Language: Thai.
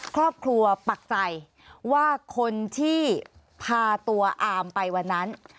ครอบครัวปักใจว่าคนที่พาตัวอามไปวันนั้น